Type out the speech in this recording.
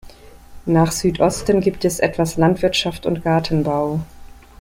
Nach Südosten gibt es etwas Landwirtschaft und Gartenbau.